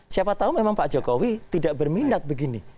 siapa tahu memang pak jokowi tidak berminat begini